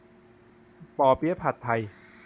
เปาะเปี๊ยะผัดไทย